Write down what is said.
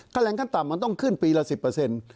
แค่แรงขั้นต่ำมันต้องขึ้นปีละ๑๐เปอร์เซ็นต์